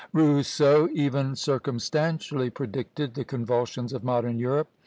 Rousseau even circumstantially predicted the convulsions of modern Europe.